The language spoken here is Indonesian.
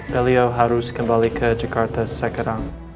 beliau harus kembali ke jakarta sekarang